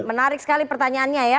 menarik sekali pertanyaannya ya